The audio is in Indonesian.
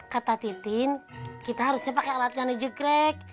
kata titin kita harus cepat pakai alat yang dijegrek